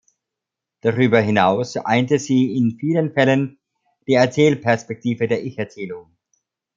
Darüber hinaus einte sie in vielen Fällen die Erzählperspektive der Ich-Erzählung.